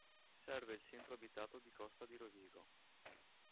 Serve il centro abitato di Costa di Rovigo.